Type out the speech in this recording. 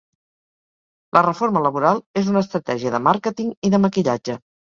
La reforma laboral és una estratègia de màrqueting i de maquillatge.